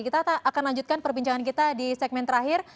kita akan lanjutkan perbincangan kita di segmen terakhir